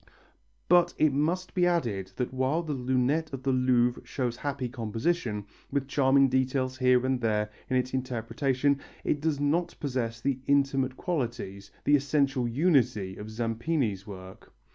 But it must be added that while the lunette of the Louvre shows happy composition, with charming details here and there in its interpretation, it does not possess the intimate qualities, the essential unity, of Zampini's work.